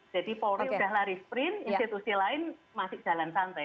jadi polri sudah lari sprint institusi lain masih jalan santai